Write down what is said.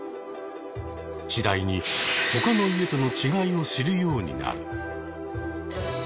次第に他の家との違いを知るようになる。